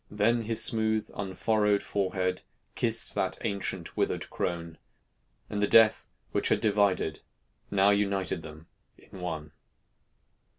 Then his smooth, unfurrowed forehead Kissed that ancient withered crone; And the Death which had divided Now united them in one.